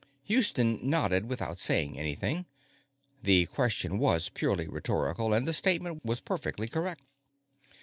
Houston nodded without saying anything. The question was purely rhetorical, and the statement was perfectly correct.